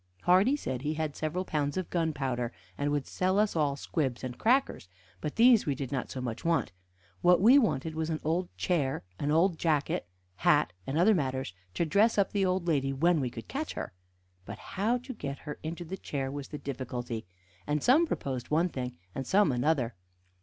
Hardy said he had several pounds of gunpowder, and would sell us all squibs and crackers. But these we did not so much want. What we wanted was an old chair, an old jacket, hat, and other matters to dress up the old lady when we could catch her. But how to get her into the chair was the difficulty, and some proposed one thing and some another.